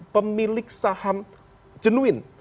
pemilik saham jenuin